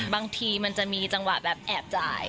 บางทีมันจะมีจังหวะแบบแอบจ่าย